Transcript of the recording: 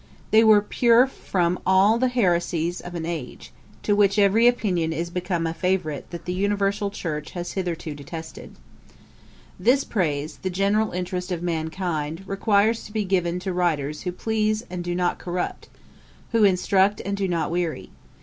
They were pure from all the heresies of an age, to which every opinion is become a favourite that the universal church has hitherto detested! [Page 313: Johnson's defence of tea. Ætat 47.] 'This praise, the general interest of mankind requires to be given to writers who please and do not corrupt, who instruct and do not weary.